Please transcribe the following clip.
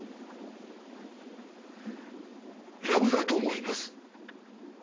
ラブだと思います。